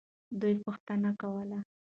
دوی پوښتنه کوله.